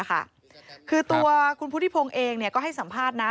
คือตัวคุณพุทธิพงศ์เองก็ให้สัมภาษณ์นะ